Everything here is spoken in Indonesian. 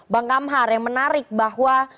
bang kamhar yang menarik bahwa